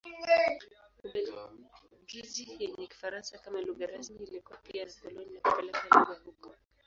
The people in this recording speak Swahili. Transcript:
Ubelgiji yenye Kifaransa kama lugha rasmi ilikuwa pia na koloni na kupeleka lugha huko.